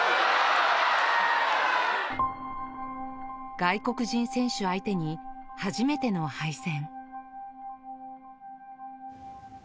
外国人選手相手に初めての敗戦。